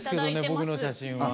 僕の写真は。